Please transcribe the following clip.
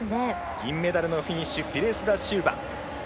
銀メダルのフィニッシュピレスダシウバ。